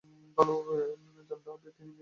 ভালোভাবে জানতে হবে, তিনি মেয়ে সম্পর্কে কী ভাবতেন।